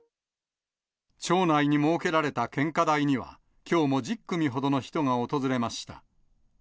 町内に設けられた献花台には、きょうも１０組ほどの人が訪れました。